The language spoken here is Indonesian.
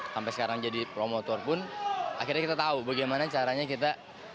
sampai sekarang jadi promotor pun akhirnya kita tahu bagaimana caranya kita